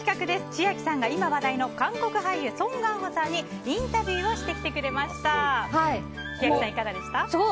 千秋さんが今、話題の韓国俳優ソン・ガンホさんにインタビューをしてきてくれました。